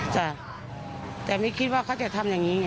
จ้ะแต่ไม่คิดว่าเขาจะทำอย่างนี้ไง